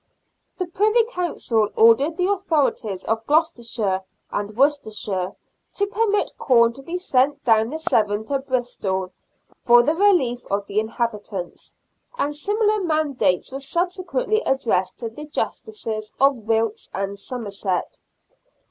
The Privy Council ordered the authorities of Gloucestershire and Worcester shire to permit corn to be sent down the Severn to Bristol for the relief of the inhabitants, and similar mandates were subsequently addressed to the justices of Wilts and Somerset.